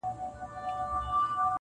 • یوه ورخ توتکۍ والوته دباندي -